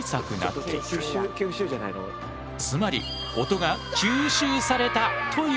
つまり音が吸収されたということ。